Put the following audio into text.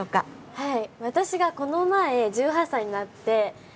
はい。